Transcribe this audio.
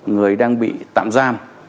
người đang bị tạm giam